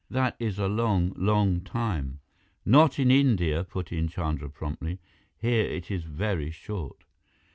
That is a long, long time!" "Not in India," put in Chandra promptly. "Here it is very short."